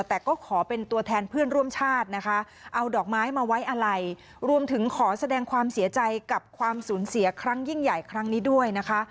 แต่ก็ขอเป็นตัวแทนเพื่อนร่วมชาตินะคะเอาดอกไม้มาไว้อะไรรวมถึงขอแสดงความเสียใจกับความสูญเสียครั้งยิ่งใหญ่ครั้งนี้ด้วยนะคะ